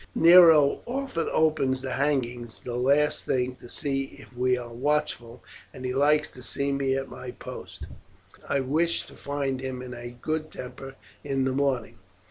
Nero often opens the hangings the last thing to see if we are watchful, and he likes to see me at my post. I wish to find him in a good temper in the morning."